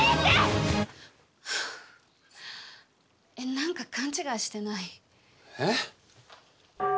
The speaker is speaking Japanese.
何か勘違いしてない？え？